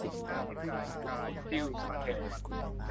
บลิส-เทล